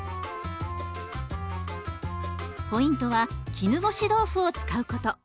ポイントは絹ごし豆腐を使うこと。